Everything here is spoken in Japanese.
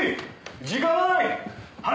時間がない！